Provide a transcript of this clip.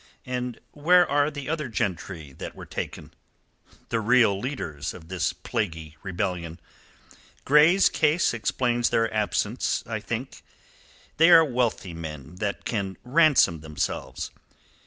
And where are the other gentry that were taken? the real leaders of this plaguey rebellion. Grey's case explains their absence, I think. They are wealthy men that can ransom themselves.